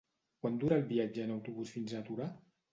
Quant dura el viatge en autobús fins a Torà?